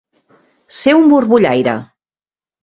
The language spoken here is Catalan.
Ser un borbollaire.